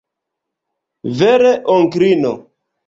Vere, onklino.